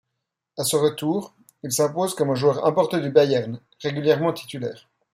À son retour, il s'impose comme un joueur important du Bayern, régulièrement titulaire.